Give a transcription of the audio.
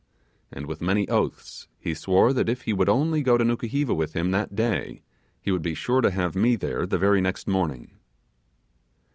And with many oaths he swore that if he would only go to Nukuheva with him that day, he would be sure to have me there the very next morning.